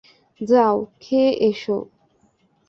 যাও, খেয়ে এসো।